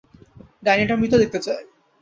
ডাইনি টা মৃত দেখতে চায়।